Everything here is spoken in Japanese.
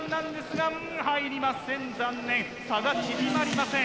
がんはいりません残念差が縮まりません。